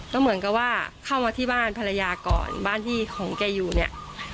ก็เหมือนกับว่าเข้ามาที่บ้านภรรยาก่อนบ้านที่ของแกอยู่เนี่ย